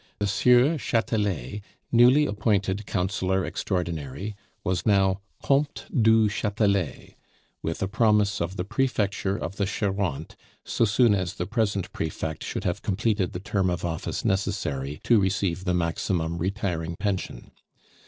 The Sieur Chatelet, newly appointed Councillor Extraordinary, was now Comte du Chatelet, with a promise of the prefecture of the Charente so soon as the present prefect should have completed the term of office necessary to receive the maximum retiring pension.